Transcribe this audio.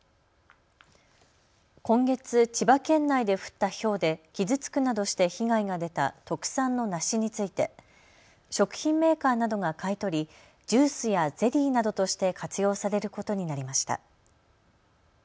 今月、千葉県内で降ったひょうで傷つくなどして被害が出た特産の梨について食品メーカーなどが買い取りジュースやゼリーなどとして活用されることになりました。